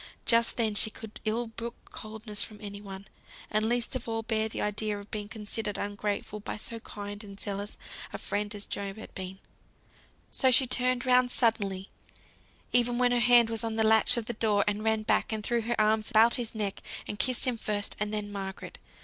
Just then she could ill brook coldness from any one, and least of all bear the idea of being considered ungrateful by so kind and zealous a friend as Job had been; so she turned round suddenly, even when her hand was on the latch of the door, and ran back, and threw her arms about his neck, and kissed him first, and then Margaret.